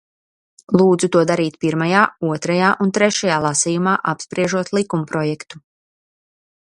Lūdzu to darīt pirmajā, otrajā un trešajā lasījumā, apspriežot likumprojektu.